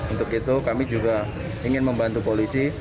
untuk itu kami juga ingin membantu polisi